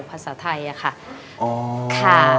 ภาษาไทยอะค่ะ